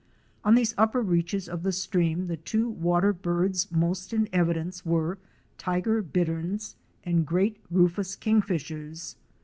On these upper reaches of the stream the two water birds most in evidence were Tiger Bitterns " and Great Rufous Kingfishers."